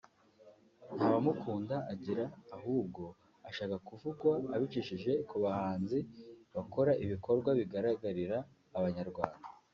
nta bamukunda agira ahubwo ashaka kuvugwa abicishije ku bahanzi bakora ibikorwa bigaragarira abanyarwanda